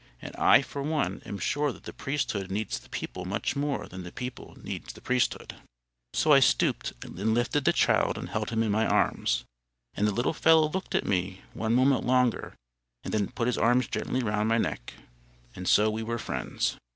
And I, for one, am sure that the priesthood needs the people much more than the people needs the priesthood. So I stooped and lifted the child and held him in my arms. And the little fellow looked at me one moment longer, and then put his arms gently round my neck. And so we were friends.